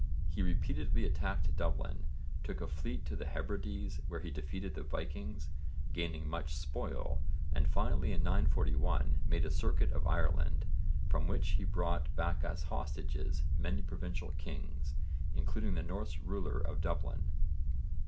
He repeatedly attacked Dublin, took a fleet to the Hebrides where he defeated the Vikings, gaining much spoil, and finally in 941 made a circuit of Ireland, from which he brought back as hostages many provincial kings, including the Norse ruler of Dublin.